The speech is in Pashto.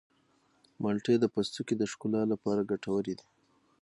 مالټې د پوستکي د ښکلا لپاره ګټورې دي.